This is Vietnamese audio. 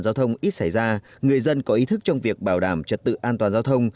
giao thông ít xảy ra người dân có ý thức trong việc bảo đảm trật tự an toàn giao thông